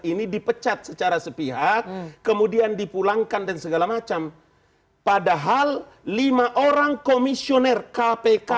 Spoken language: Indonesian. ini dipecat secara sepihak kemudian dipulangkan dan segala macam padahal lima orang komisioner kpk